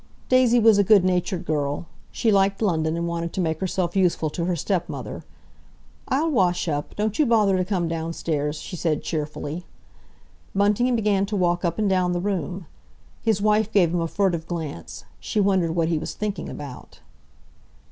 Daisy was a good natured girl; she liked London, and wanted to make herself useful to her stepmother. "I'll wash up; don't you bother to come downstairs," she said cheerfully. Bunting began to walk up and down the room. His wife gave him a furtive glance; she wondered what he was thinking about.